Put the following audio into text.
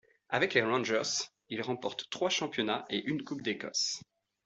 Avec les Rangers, il remporte trois championnats et une coupe d'Écosse.